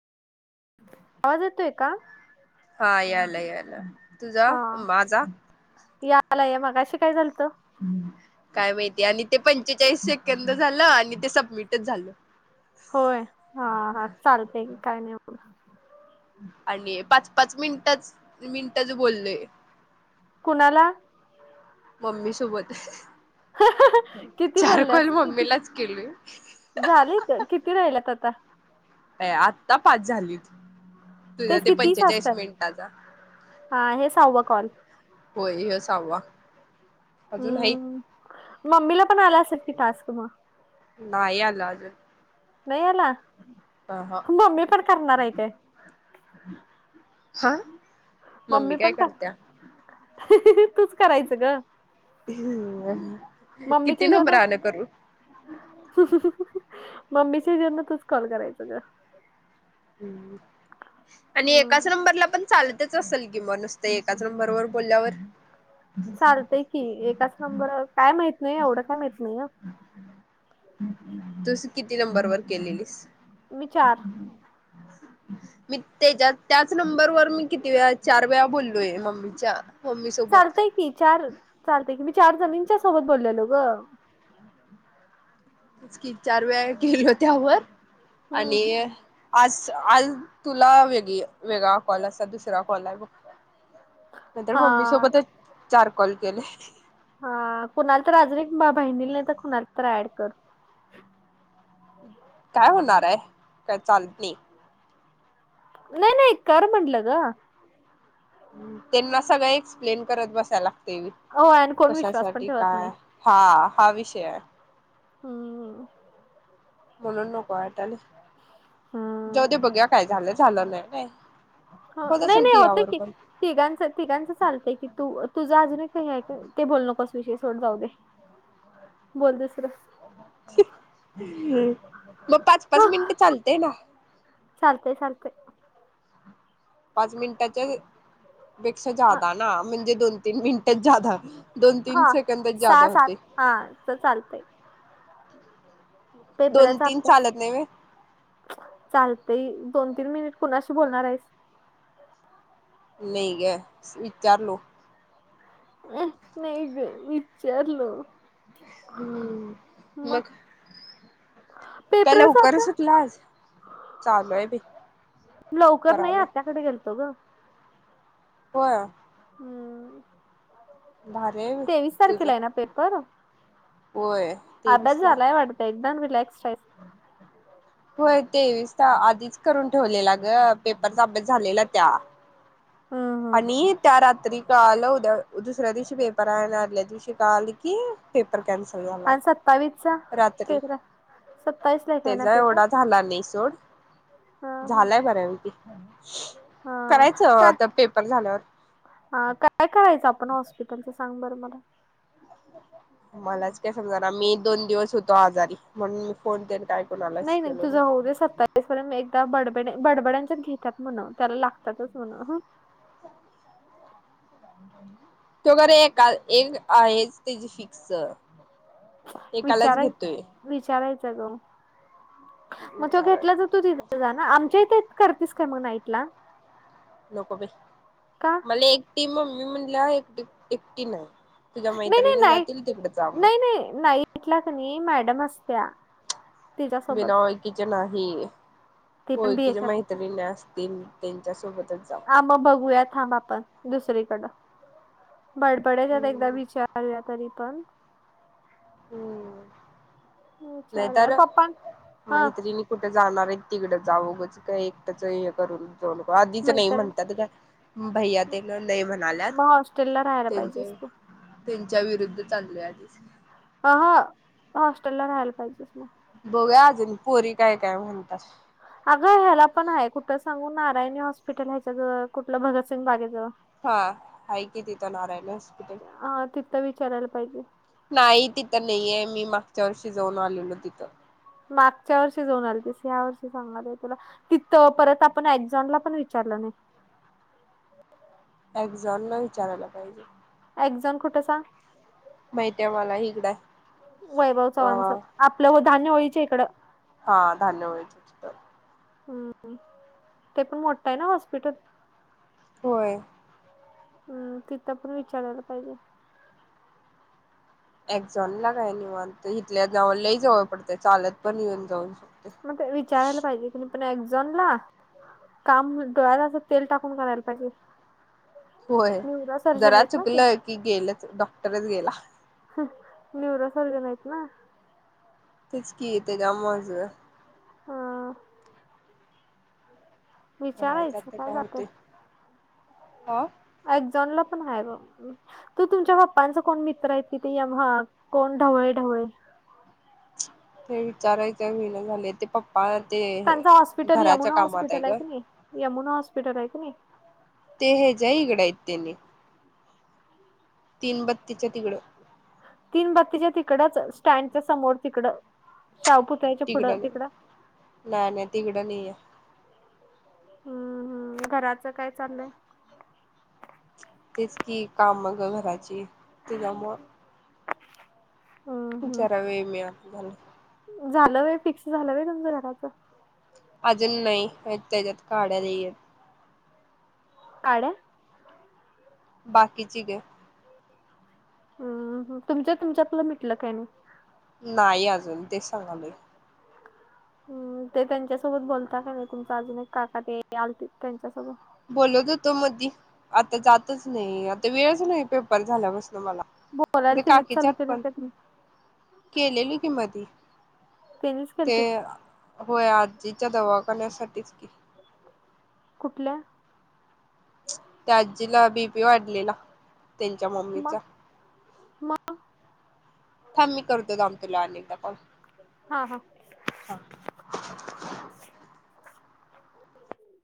आवाज येतोय. का? हा याला याला तुझा माझा? यालाय मग अशी काय झालत? काय माहिती आणि ते पंचेचाळीस सेकंद झालं आणि ते सबमिटच झालं. होय हा हा चालतय की काय नाही म आणि पाच पाच मिनिटच मिनिटच बोललय. कुणाला? मम्मी सोबत, किती चार कॉल मम्मीलाच केलोय. झालीत, किती राहिल्यात आता? अय आत्ता पाच झालीत तुझ्या तेच ते की तीस पंचेचाळीस असतात. मिनिटाचा. हा हे सऊवा कॉल होय व्हो सहावा. अजून हाईत हम्म, मम्मीला पण आला असेल कि टास्क मग नाही अंदाज नई आला मम्मी पण ह करणार आहे काय? ह हा मम्मी काय पण का? करत्या [inaudible] करायचं ग किती मम्मीच्या हेज्यातच नंबरान करू मम्मीशी जेवना तच कॉल करायचा ग आणि हम्म. एकाच नंबरला पण चालतच असेल कि म नुसतं एकाच नंबरवरर बोलल्यावर चालतय की एकाच नंबर काय माहीत नाही एवढं काय माहीत नाही. तुस किती नंबर वर केलेलीस? विचार. ह [inaudible] मी त्याच्या त्याच नंबरवर मी किती वेळा चार वेळा बोललोय मम्मीच्या. मम्मी सोबत. चालतय की चार चालतय की मी चार जणींच्या सोबत बोललेलो गं. तेच की चार वेळा गेलो हो त्यावर हम्म. आणि आज आज तुला वेगळी वेगळा कॉल असत दुसरा कॉल आहे बघ. नंतर हा मम्मी सोबतच चार कॉल केले. हा कुणाला तर अजून बहिणीला नाही तर कुणाला तर ऍड कर. काय होणार आहे काय चालत नाही. नाही नाही कर म्हटलं ग. त्यांना सगळ एक्सप्लेन करत बसायला लागते हो आणि कोण विश्वास पण कशासाठी ठेवत नाही. काय हा हा विषय आहे. हं [inaudible] म्हणून नको वाटले हम्म जाऊ ते बघया काय झालं झालं नाही नाही. ह नाही नाही होतय की तिघांच तिघांचं चालतय किी तुझं अजून काही आहे ते बोल नकस. विषय सोड जाऊ दे बोलतेसर मग पाच पाच मिनिट चालते ना? चालतय चालतय. पाच मिनिटांच्या पेक्षा हा जादा ना म्हणजे दोन तीन मिनिट जादा दोन तीन हा सेकंदच सहा जादा सात होते. हा अस चालतंय. दोन पेपरचा तीन अभ्यास. चालत नाही व्हय चालतय दोन तीन मिनिट कुणाशी बोलणार आहेस? नाही ग विचारलो. नाही ग मी विचारलो. हम्म मग काय पेपरच उकरच होता सुटल आज चालूय भी. लवकर नाही आत्याकडे गेलतो ग. [unintelligible] हम्म भार तेवीस तुझं तारखेला आहे ना होय अभजलाय वाटतय एकदम रिलॅक्स रा अम्छा होय तेवीस आधीच करून ठेवलेला ग पेपरचा अभ्यास झालेला त्या हम्म हम्म आणि त्या रात्री का आल उद्या दुसऱ्या दिवशी पेपर आहे ना आदल्या दिवशी का आल की पेपर कॅन्सल झाला आणि सत्तावीसचा रात्री पेपर आहे सत्तावीस ला काय ना त्याच्या पेपर एवढा झाला नाही सोड हा हा झालाय बर म हा का ह काय करायचं आपण हॉस्पिटलच सांग बरं मला मलाच काय समजा ना मी दोन दिवस होतो आजारी म्हणून मी फोन के टय नाही नाही तुझा होऊ दे स आता ते मी एकदा बडब बडबड्यांच्याच घेतात म्हण त्याला लागतातच म्हण ह ते वगैरे एक एक आहेच त्याची फिक्स एकालाच विचारायच घेतोय विचारायचं ग मग तो विचाराय घेतलाच तू तिथे जा ना आमच्या इथ करतेस का मग नाईटला नको बे का मला एकटी मम्मी म्हणले एकट एकटी नाही तुझ्या नाही मैत्रिणी जातील तिकड जाम कितलाक न मॅडम अससत त्या्या बिना ओळकीचे नाही ती पण बी ओळकीचे एच्या मैत्रीिणी असत त्यांच्या सोबतच जाऊ हा मग बघूया थांब आपण दुसरीकड बडबड्याच्यात हम्म एकदा विचार करया तरी पण हम्म विचारूया नाहीतर पप्पा हा मैत्रिणी कुठे जाणार आहे तिकडं जावगच काय एकट्याच हे करून आधीच नाही मैत्रीण म्हणतात का भैया ते नाही म्हणाल्यात ला राहायला पाहिजे त्यांच्या असतो त्यांच्या विरुद्ध चांललय आधीच ह ह हॉस्टेल ला राहायला पाहिजेस मग, बघुया अजून पोरी काय काय म्हणतात? अगं ह्याला पण आहे कुठं सांगू नारायणी हॉस्पिटल ह्याच्याजवळ कुठलं भगतसिंग बागेजवळ, हा हाय की तिथं नारायण हॉस्पिटल अ तिथं विचारायला पाहिजे नाही तिथं नाहीये मी मागच्या वर्षी जाऊन आलेलो तिथं मागच्या वर्षी जाऊन आली तस या वर्षी सांग तिथ परत आपण एक्झमला पण विचारलं नाही एक जणना विचारायला पाहिजे एझन कुठेसा माहित आहे मला हकडं वैभव चव्हाणचं आपलं हो धान्य व्हाळीच [unintelligible] इकडं हा धान्य मिळच तर [unintelligible] हम्म ते पण मोठा आहे ना हॉस्पिटल, होय! हम्म तिथ पण विचारायला पाहिजे, एक्झाॅनला काय निवांत इथल्या लय जवळ पडतं चालत पण येऊन जाऊ शकते. मग विचारायला पाहिजे क पण एक्झाॅनला काम डोळ्याला असं तेल टाकून करायला पाहिजे. होय न्यूरो सर्जन जरा आहेत ना ते चुकलं की गेलंच डॉक्टरच गेला, न्युरोसरजन आहेत ना, तेच कि तेझ्यामुळंच हा! बघायचं विचारायचं आता काय जातय होतंय. हा. एक्झाॅनला पण आहे बग, तू तुमच्या पप्पांचा कोण मित्र आहेत तिथ कोण ढवळे ढवळे, ते विचारायचं काय होईन झालय ते पंप, पा ते, हे त्यांच हॉस्पिटल घराच्या यमुना कामात हॉस्पिटल आहे ग क नाही यमुना हॉस्पिटल आहे क नाही. ते ह्याच्या इकडं आहेत त्यनी तीन बत्तीच्या तिकडं तीन बत्तीच्या तिकडच स्टँडच्या समोर तिकड शाहपुत तिघड नाही नाही नाही तिघड नाही आहे. हम्म हम्म घराचं काय चाललंय? तेच कि काम मग घराची त्याच्यामु हम्म, जरा हम्म. वेळ मिळना झालं होतं फिक्स झालं होय‌ तुमचं घराचं, अजून नाही त्याच्यात काढ्याला येत, काढ्या, बाकीची ग, हम तुमच तुमच्यातलं मिटलं काय नाही? नाही अजून तेच सांगालय हम् ते त्यांच्यासोबत बोलत का नाही तुमच अजून एक काका ते आल त्यांच्यासोबत बोलत होतो मधी आता जातच नाही आता वेळच नाही पेपर झाल्यापासून मला, बोलायला ते त्यनीच चालू काकीच्यात क पण केलेली किं मधी त्यांनीच ते केलतीत होय आजीच्या दवाखान्यासाठीच की, कुठल्या? त्या आजीला बीपी वाढलेला त्यांच्या मग मम्मीचा मग थांब मी करतो थांब तुला अनेकदा कॉल हा हा!